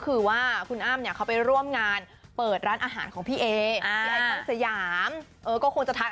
คือว่าคุณอ้ำเนี่ยเขาไปร่วมงานเปิดร้านอาหารของพี่เอสยามก็คงจะทาน